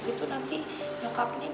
pat rhincaitt tapi padahal lo